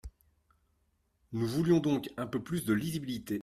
Nous voulions donc un peu plus de lisibilité.